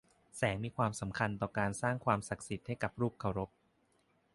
แสงมีความสำคัญต่อการสร้างความศักดิ์สิทธิ์ให้กับรูปเคารพ